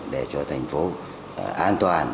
để cho thành phố an toàn